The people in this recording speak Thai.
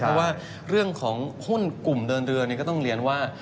เพราะว่าเรื่องของหุ้นกลุ่มเดินเรือก็ต้องเรียนว่า